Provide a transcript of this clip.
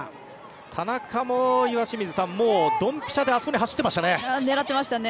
田中も、岩清水さんドンピシャであそこに走っていましたね。